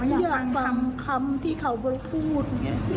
อยากฟังคำที่เขาพูด